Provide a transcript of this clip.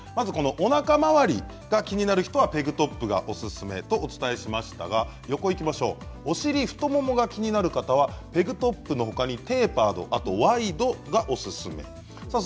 おなか回りが気になる人はペグトップがおすすめとお伝えしましたがお尻、太ももが気になる方はペグトップのほかにテーパードワイドがおすすめ。